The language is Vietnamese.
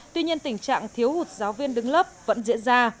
tuy nhiên tình trạng thiếu hụt giáo viên đứng lớp vẫn diễn ra